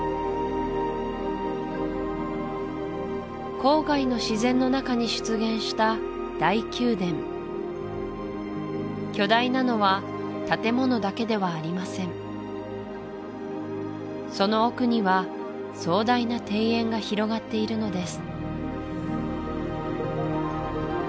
郊外の自然の中に出現した大宮殿巨大なのは建物だけではありませんその奥には壮大な庭園が広がっているのです